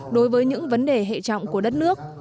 đối với những vấn đề hệ trọng của đất nước